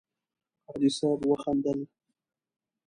حاجي صیب وخندل.